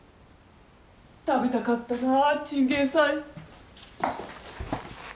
食べたかったなあチンゲン菜。